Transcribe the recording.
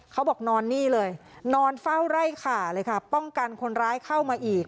นอนนี่เลยนอนเฝ้าไร่ขาเลยค่ะป้องกันคนร้ายเข้ามาอีก